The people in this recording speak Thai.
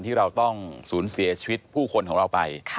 ที่เราต้องสูญเสียชีวิตผู้คนของเราไป